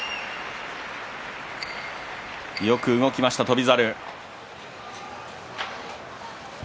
よく動きました、翔猿。